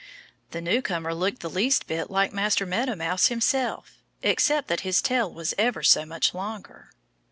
The newcomer looked the least bit like Master Meadow Mouse himself, except that his tail was ever so much longer.